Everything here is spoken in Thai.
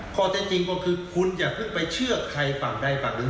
ข้อใจจริงก็คือคุณอย่าเพิ่งไปเชื่อใครภักดิ์ใดภักดิ์หนึ่ง